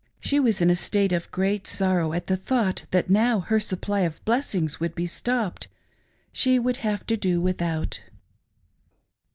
She was in a state of great sorrow at the thought that now her supply of blessings would be stopped — she would have to do without.